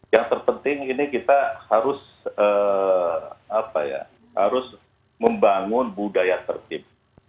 yang terpenting ini kita harus membangun budaya tertib